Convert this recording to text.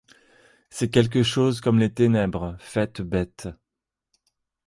C’est quelque chose comme les ténèbres faites bêtes.